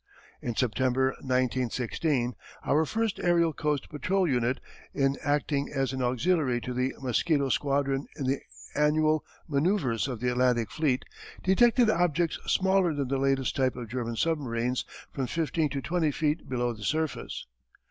In September, 1916, our first Aërial Coast Patrol Unit, in acting as an auxiliary to the Mosquito Squadron in the annual manoeuvres of the Atlantic fleet, detected objects smaller than the latest type of German submarines from fifteen to twenty feet below the surface.